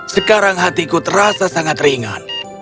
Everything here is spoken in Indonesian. sekarang hatiku terasa sangat ringan